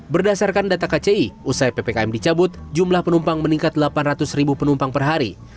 berdasarkan data kci usai ppkm dicabut jumlah penumpang meningkat delapan ratus ribu penumpang per hari